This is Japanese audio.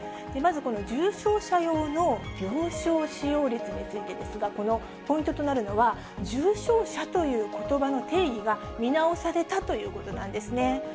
まずこの重症者用の病床使用率についてですが、このポイントとなるのは、重症者ということばの定義が見直されたということなんですね。